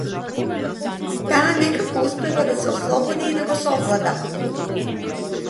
Таа некако успева да се ослободи и да го совлада.